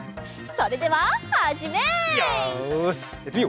それでははじめい！